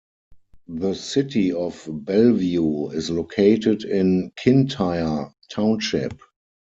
The city of Belview is located in Kintire Township.